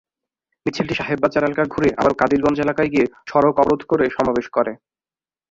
মিছিলটি সাহেববাজার এলাকা ঘুরে আবারো কাদিরগঞ্জ এলাকায় গিয়ে সড়ক অবরোধ করে সমাবেশ করে।